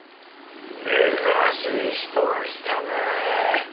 珍しい人が来たね。